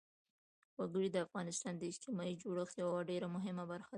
وګړي د افغانستان د اجتماعي جوړښت یوه ډېره مهمه برخه ده.